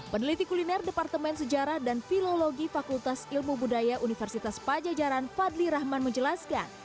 peneliti kuliner departemen sejarah dan filologi fakultas ilmu budaya universitas pajajaran fadli rahman menjelaskan